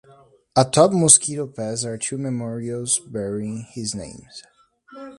Atop Mosquito Pass are two memorials bearing his name.